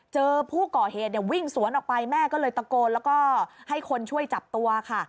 เจอผู้ก่อเหตุเนี่ยวิ่งสวนออกไปแม่ก็เลยตะโกนแล้วก็ให้คนช่วยจับตัวค่ะ